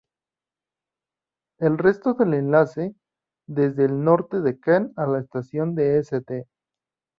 El resto del enlace, desde el norte de Kent a la estación de St.